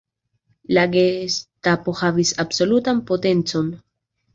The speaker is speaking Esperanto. La Gestapo havis absolutan potencon.